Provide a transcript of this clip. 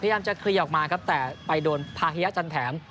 พยายามจะเคลียร์ออกมาครับแต่ไปโดนพาฮิยะจันแถม